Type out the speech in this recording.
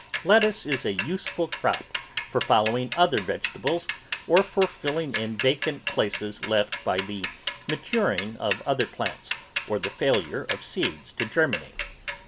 Lettuce is a useful crop for following other vege tables or for filling in vacant places left by the maturing of other plants or the failure of seeds to germinate.